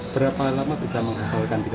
berapa lama bisa menghapalkan tiga puluh juz